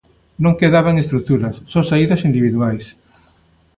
Non quedaban estruturas: só saídas individuais.